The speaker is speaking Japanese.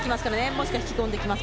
もしくは引き込んできます